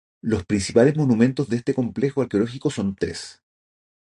Los principales monumentos de este complejo arqueológicos son tres.